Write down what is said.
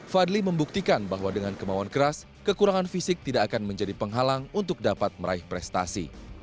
fadli membuktikan bahwa dengan kemauan keras kekurangan fisik tidak akan menjadi penghalang untuk dapat meraih prestasi